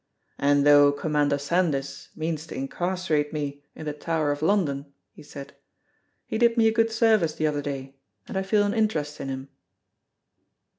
"And though Commander Sandys means to incarcerate me in the Tower of London," he said, "he did me a good service the other day, and I feel an interest in him."